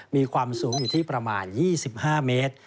มีความสูงอยู่ที่ประมาณ๒๕เมตร